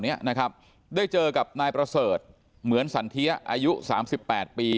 เนี้ยนะครับได้เจอกับนายประเสริฐเหมือนสันเทียอายุสามสิบแปดปี